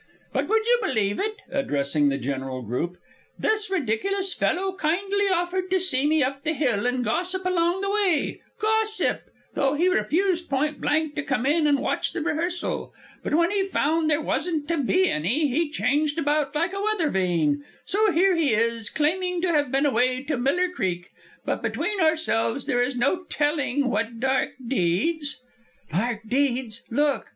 "But would you believe it!" (addressing the general group) "this ridiculous fellow kindly offered to see me up the hill and gossip along the way gossip! though he refused point blank to come in and watch the rehearsal. But when he found there wasn't to be any, he changed about like a weather vane. So here he is, claiming to have been away to Miller Creek; but between ourselves there is no telling what dark deeds " "Dark deeds! Look!"